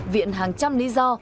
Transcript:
viện hàng trăm lý do